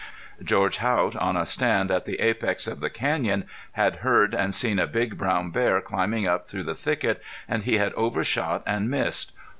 George Haught, on a stand at the apex of the canyon, had heard and seen a big brown bear climbing up through the thicket, and he had overshot and missed.